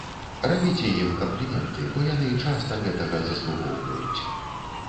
Рабіце ім кампліменты, бо яны часта гэтага заслугоўваюць.